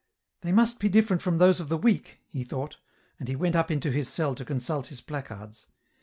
"They must be different from those of the week," he thought; and he went up into his cell to consult his placards.